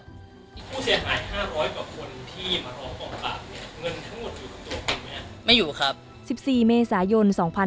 ผู้เสียหายห้าร้อยกว่าคนที่มารอบอกบัตรเนี่ยเงินทั้งหมดอยู่กับตัวคุณไหม